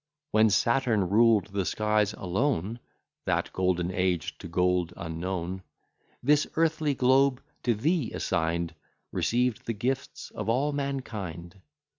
When Saturn ruled the skies alone, (That golden age to gold unknown,) This earthly globe, to thee assign'd, Received the gifts of all mankind.